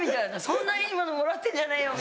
そんないいものもらってんじゃねえよ！